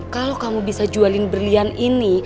kalau kamu bisa jualin berlian ini